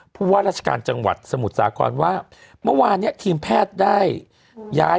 ผู้ว่าราชการจังหวัดสมุทรสาครว่าเมื่อวานเนี้ยทีมแพทย์ได้ย้าย